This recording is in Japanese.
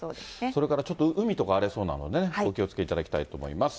それからちょっと海とか荒れそうなので、お気をつけいただきたいと思います。